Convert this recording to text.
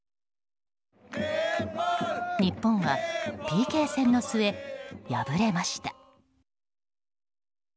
日本はＰＫ戦の末、敗れました。